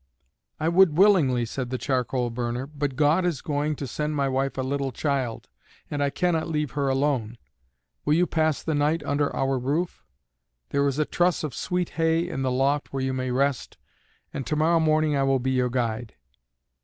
"I would willingly," said the charcoal burner, "But God is going to send my wife a little child, and I cannot leave her alone. Will you pass the night under our roof? There is a truss of sweet hay in the loft where you may rest, and to morrow morning I will be your guide."